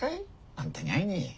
あんたに会いに。